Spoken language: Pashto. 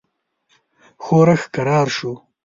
ښورښ کرار شو.